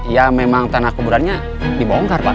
ya memang tanah kuburannya dibongkar pak